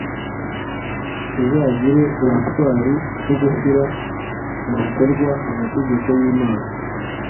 Uzagire ubutwari bwo gushyira mu bikorwa amategeko y Imana